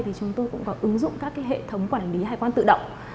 thì chúng tôi cũng có ứng dụng các hệ thống quản lý hải quan tự động